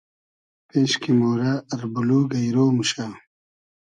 پېش کی مۉرۂ اربولوگ اݷرۉ موشۂ